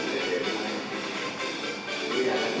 สวัสดีครับ